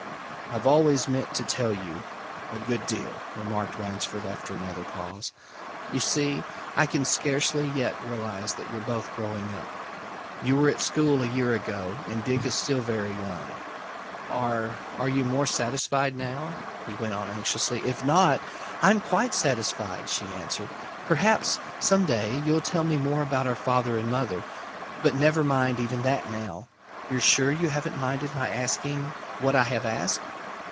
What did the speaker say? "I've always meant to tell you a good deal," remarked Ransford, after another pause. "You see, I can scarcely yet realize that you're both growing up! You were at school a year ago. And Dick is still very young. Are are you more satisfied now?" he went on anxiously. "If not " "I'm quite satisfied," she answered. "Perhaps some day you'll tell me more about our father and mother? but never mind even that now. You're sure you haven't minded my asking what I have asked?"